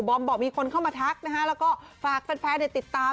บอมบอกมีคนเข้ามาทักฝากแฟนติดตาม